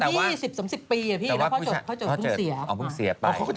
รอกัน๒๐๓๐ปีอ่ะพี่